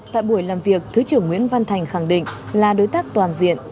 tại buổi làm việc thứ trưởng nguyễn văn thành khẳng định là đối tác toàn diện